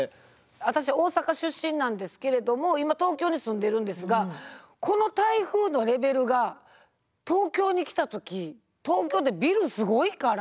私大阪出身なんですけれども今東京に住んでいるんですがこの台風のレベルが東京に来た時東京ってビルすごいから。